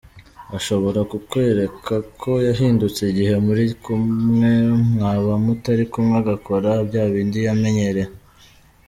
Ashobora kukwerekako yahindutse igihe muri kumwe mwaba mutari kumwe agakora byabindi yamenyereye.